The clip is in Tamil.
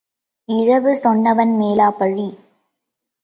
இழவு சொன்னவன் மேலா பழி?